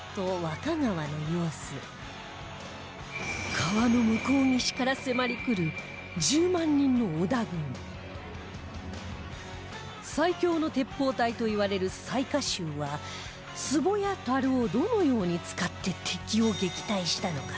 川の向こう岸から迫り来る最強の鉄砲隊といわれる雑賀衆は壺や樽をどのように使って敵を撃退したのか？